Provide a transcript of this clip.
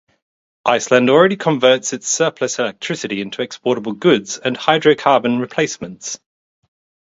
Iceland already converts its surplus electricity into exportable goods and hydrocarbon replacements.